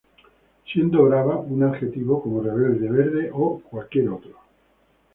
Siendo "brava" un adjetivo como "rebelde", "verde" o cualquier otro.